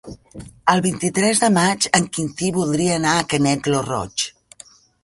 El vint-i-tres de maig en Quintí voldria anar a Canet lo Roig.